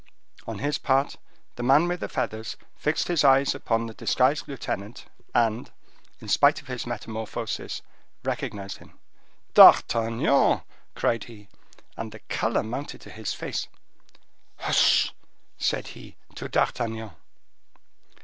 On his part, the man with the feathers fixed his eyes upon the disguised lieutenant, and, in spite of his metamorphosis, recognized him. "D'Artagnan!" cried he; and the color mounted to his face. "Hush!" said he to D'Artagnan.